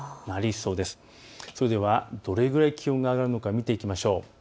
それでは、どれくらい気温が上がるのか見ていきましょう。